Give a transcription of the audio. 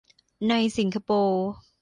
ในสิงคโปร์